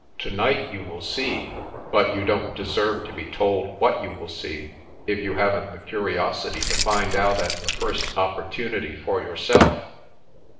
To night, you will see — but you don't deserve to be told what you will see, if you haven't the curiosity to find out at the first op portunity for yourself."